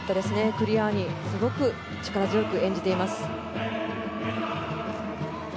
クリアにすごく力強く演じています。